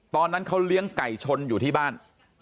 ตอนนั้นเขาเลี้ยงไก่ชนอยู่ที่บ้าน